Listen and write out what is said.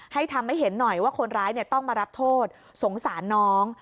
ทำให้เห็นหน่อยว่าคนร้ายต้องมารับโทษสงสารน้อง